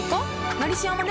「のりしお」もね